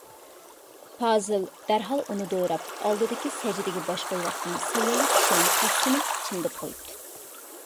پازىل دەرھال ئۇنى دوراپ، ئالدىدىكى سەجدىگە باش قويۇۋاتقان سەللىلىك كىشىنىڭ كاسىسىنى چىمدىپ قويۇپتۇ.